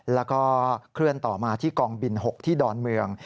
แล้วก็เคลื่อนต่อมาที่กองบิน๖ที่ดอนเมือง